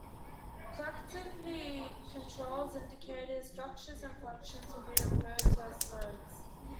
Collectively controls, indicators, structures, and functions will be referred to as nodes.